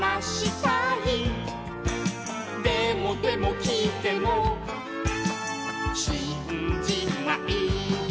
「でもでもきいてもしんじない」